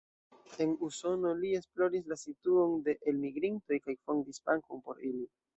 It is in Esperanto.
En Usono li esploris la situon de elmigrintoj kaj fondis bankon por ili.